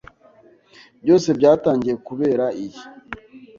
Byose byatangiye kubera iyi.